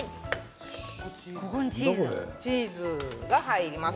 チーズが入ります。